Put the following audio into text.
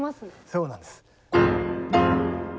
そうなんです。